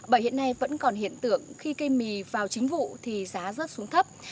bởi hiện nay vẫn còn hiện tượng khi cây mì vào chính vụ thì giá rớt xuống thấp